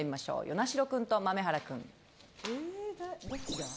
與那城君と豆原君。